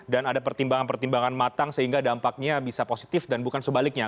dan ada pertimbangan pertimbangan matang sehingga dampaknya bisa positif dan bukan sebaliknya